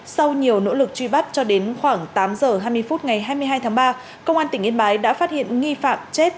sau nhiều nỗ lực truy bắt cho đến khoảng tám h hai mươi phút ngày hai mươi hai tháng ba công an tỉnh yên bái đã phát hiện nghi phạm chết